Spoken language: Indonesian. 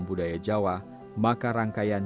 budaya jawa maka rangkaian